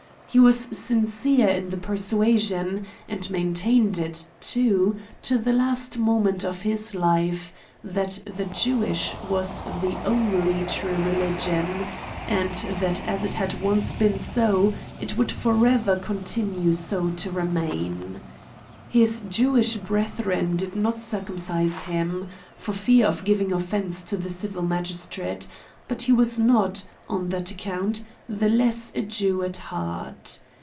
He was sin cere in the persuasion, and maintained it, too, to the last moment of his life, that the Jewish was the only true religion ; and, that as it had once been so, it would forever continue so to remain. His Jewish brethren did not circumcise him, for fear of giving ofience to the civil magistrate ; but he was not, on that account, the less a Jew at heart.